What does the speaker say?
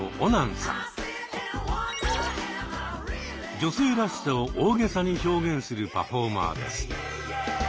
女性らしさを大げさに表現するパフォーマーです。